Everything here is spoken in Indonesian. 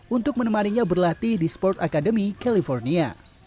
untuk menemani dia berlatih di sport academy california